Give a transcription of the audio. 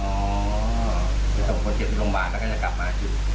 อ๋อไปส่งคนเสร็จที่โรงพยาบาลแล้วก็จะกลับมาจุด